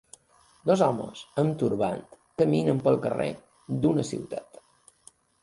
Dos homes amb turbants caminen pel carrer d'una ciutat.